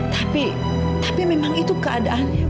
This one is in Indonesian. tapi tapi memang itu keadaannya